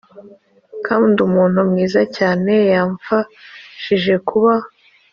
kandi umuntu mwiza cyane yamfashije kuba